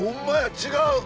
違う！